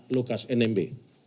tersangka lukas nmb